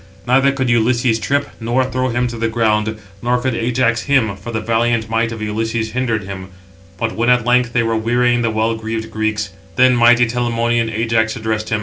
Neither could Ulysses trip, nor throw him to the ground, nor could Ajax him, for the valiant might of Ulysses hindered him. But when at length they were wearying the well greaved Greeks, then mighty Telamonian Ajax addressed him: Footnote 767: (return) See Kennedy.